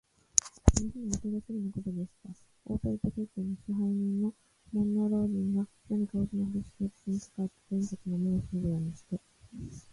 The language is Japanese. その日のお昼すぎのことでした。大鳥時計店の支配人の門野老人が、何か大きなふろしき包みをかかえて、店員たちの目をしのぶようにして、